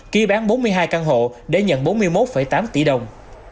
ký bán bốn mươi hai căn hộ để nhận bốn mươi một tám tỷ đồng